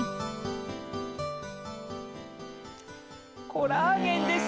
コラーゲンでっせ！